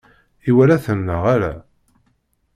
Iwala-ten neɣ ala?